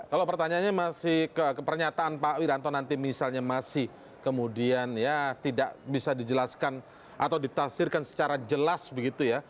kalau pertanyaannya masih ke pernyataan pak wiranto nanti misalnya masih kemudian ya tidak bisa dijelaskan atau ditafsirkan secara jelas begitu ya